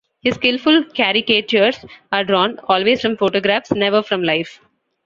His skilful caricatures are drawn always from photographs, never from life.